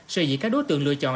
sự dị các đối tượng lựa chọn